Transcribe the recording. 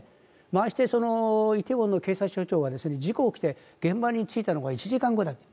ましてイテウォンの警察署長は事故が起きて現場に着いたのが１時間後だった。